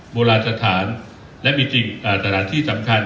โบราณสถานและมีสถานที่สำคัญ